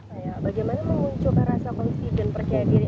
bagaimana memunculkan rasa penghensi dan percaya diri